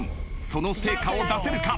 その成果を出せるか？